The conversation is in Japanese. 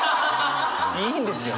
いいんですよ！